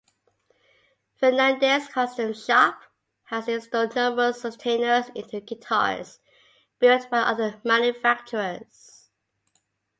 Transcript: Fernandes' custom shop has installed numerous Sustainers into guitars built by other manufacturers.